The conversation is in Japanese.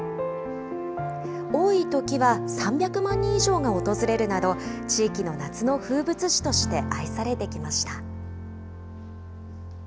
多いときは３００万人以上が訪れるなど、地域の夏の風物詩として愛されてきました。